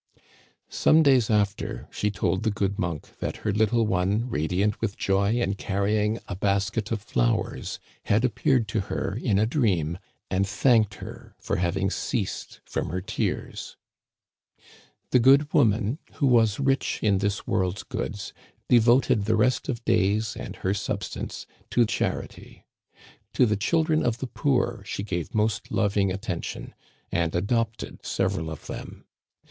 *" Some days after, she told the good monk that her little one, radiant with joy and carrying a basket of flowers, had appeared to her in a dream and thanked her for having ceased from her tears. The good woman, who was rich in this world's goods, devoted the rest of days and her substance to charity. To the children of the poor she gave most loving attention, and adopted several of them.